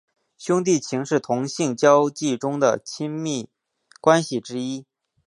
兄弟情是同性交际中的亲密关系之一。